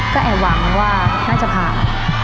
ก็แอบหวังว่าน่าจะผ่าน